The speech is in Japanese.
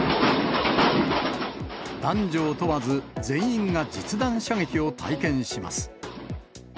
男女を問わず、全員が実弾射撃を体験します。